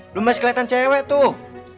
lo masih keliatan cewek tuh